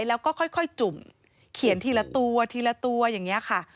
แล้วก็ค่อยจุ่มเขียนทีละตัวทีละตัวอย่างนี้ค่ะ